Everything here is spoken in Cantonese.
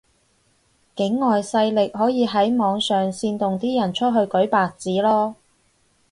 境外勢力可以喺網上煽動啲人出去舉白紙囉